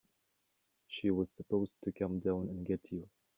She was supposed to come down and get you.